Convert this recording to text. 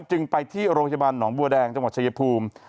จึงไปที่โรงพยาบาลหนองบัวแดงจังหวัดชายภูมิ